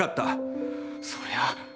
「そりゃ。